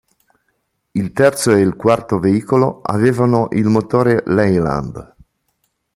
Il terzo e il quarto veicolo avevano il motore Leyland.